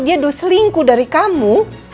dia udah selingkuh dari kamu